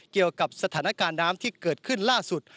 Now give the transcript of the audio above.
เกี่ยวกับสถานการณ์น้ำที่เกิดขึ้นล่าสุด